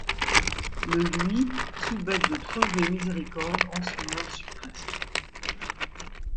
Ie luy soubhaite de treuver miséricorde en son heure supresme.